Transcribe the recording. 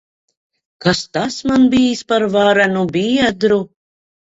Kas tas man bijis par varenu biedru!